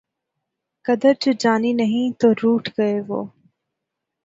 قدر جو جانی نہیں تو روٹھ گئے وہ